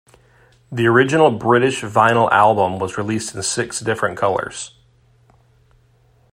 The original British vinyl album was released in six different colors.